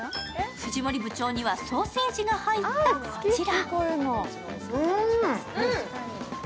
藤森部長にはソーセージが入ったこちら。